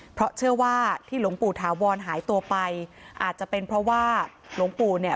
เพราะเชื่อว่าที่หลวงปู่ถาวรหายตัวไปอาจจะเป็นเพราะว่าหลวงปู่เนี่ย